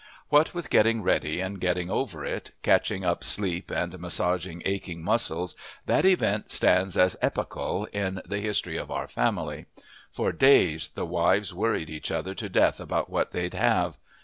What with getting ready and getting over it, catching up sleep and massaging aching muscles, that event stands as epochal in the history of our family. For days the wives worried each other to death about what they'd have.